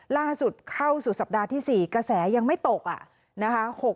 ล่าสุดเข้าสู่สัปดาห์ที่๔กระแสยังไม่ตกนะคะ